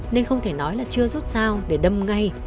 nên không thể nói là chưa rút sao để đâm ngay